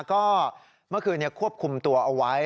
ก็เมื่อคืนควบคุมตัวเอาไว้